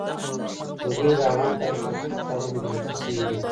وګړي د افغان تاریخ په ټولو کتابونو کې ذکر شوي دي.